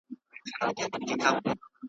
زه د محتسب په غلیمانو کي ښاغلی یم .